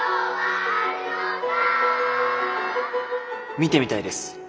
見てみたいです